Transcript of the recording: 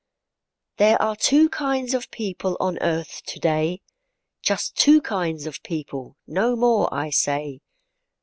THERE are two kinds of people on earth to day; Just two kinds of people, no more, I say.